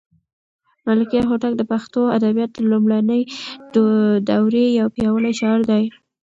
ملکیار هوتک د پښتو ادبیاتو د لومړنۍ دورې یو پیاوړی شاعر دی.